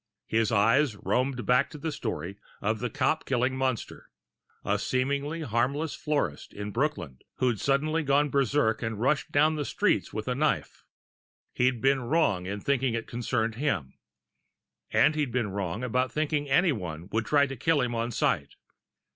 His eyes roamed back to the story of the cop killing monster a seemingly harmless florist in Brooklyn who'd suddenly gone berserk and rushed down the streets with a knife; he'd been wrong in thinking that concerned him. And he'd been wrong in thinking anyone would try to kill him on sight.